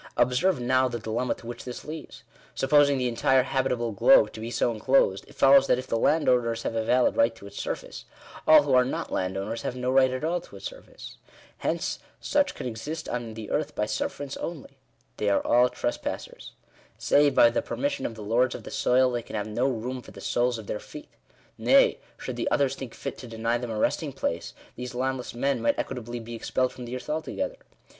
Observe now the dilemma to which this leads. Supposing the entire habitable globe to be so enclosed, it follows that if the landowners have a valid right to its surface, all who are not landowners, have no right at all to its surface. Hence, such can exist on the earth by sufferance only. They are all Digitized by VjOOQIC THE RIGHT TO THE USE OP THE EARTH. 115 trespassers. Save by the permission of the lords of the soil, they can have bo room for the soles of their feet. Nay, should the others think fit to deny them a resting place, these landless men might equitably be expelled from the earth altogether.